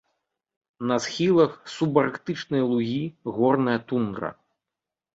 На схілах субарктычныя лугі, горная тундра.